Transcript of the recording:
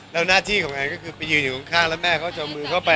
แล้วหน้าที่ของแอนก็คือไปยืนอยู่ข้างแล้วแม่เขาจะเอามือเข้าไป